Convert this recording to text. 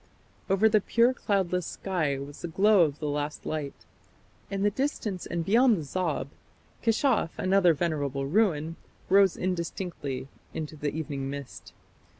Over the pure cloudless sky was the glow of the last light. In the distance and beyond the Zab, Keshaf, another venerable ruin, rose indistinctly into the evening mist.